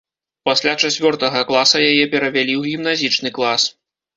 Пасля чацвёртага класа яе перавялі ў гімназічны клас.